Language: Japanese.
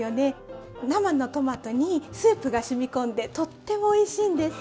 生のトマトにスープがしみ込んでとってもおいしいんです。